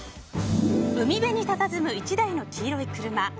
海辺にたたずむ１台の黄色い車。